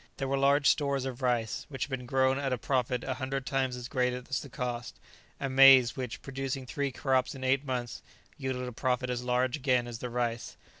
There were large stores of rice, which had been grown at a profit a hundred times as great as the cost, and maize which, producing three crops in eight months, yielded a profit as large again as the rice.